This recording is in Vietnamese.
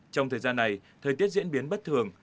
trong thời gian này thời tiết diễn biến bất thường